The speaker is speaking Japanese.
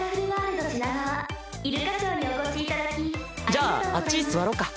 じゃああっち座ろうか。